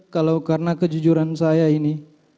kalau karena kejujuran saya ini